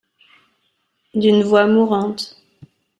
D’une voix mourante.